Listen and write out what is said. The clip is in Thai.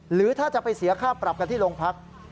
หรือถ้าจะไปเสียค่าปรับกันที่โรงพัก